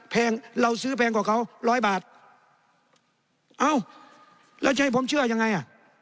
แพงเราซื้อแพงกว่าเขาร้อยบาทเอ้าแล้วจะให้ผมเชื่อยังไงอ่ะ